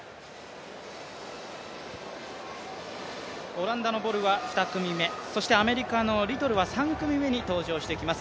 オランダのボルは２組目、アメリカのリトルは３組目に登場してきます。